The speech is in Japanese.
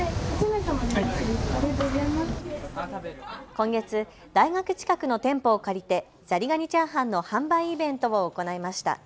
今月、大学近くの店舗を借りてザリガニチャーハンの販売イベントを行いました。